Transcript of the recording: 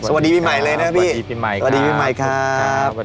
สวัสดีพี่ใหม่เลยนะครับพี่สวัสดีพี่ใหม่ครับ